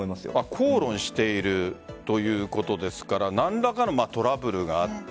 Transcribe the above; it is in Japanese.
口論しているということですから何らかのトラブルがあった。